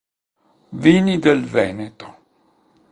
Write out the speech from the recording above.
Vini del Veneto